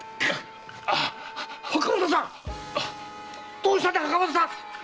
どうしたんだ袴田さん‼